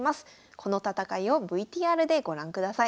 この戦いをＶＴＲでご覧ください。